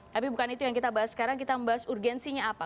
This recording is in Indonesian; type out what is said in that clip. tapi bukan itu yang kita bahas sekarang kita membahas urgensinya apa